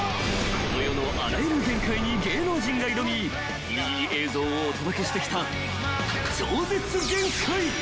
［この世のあらゆる限界に芸能人が挑みぎりぎり映像をお届けしてきた］